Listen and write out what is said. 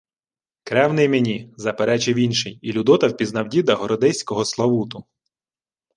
— Кревний мені, — заперечив інший, і Людота впізнав діда городиського Славуту.